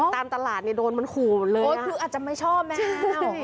ตามตลาดเนี่ยโดนมันขู่หมดเลยโอ๊ยคืออาจจะไม่ชอบแม่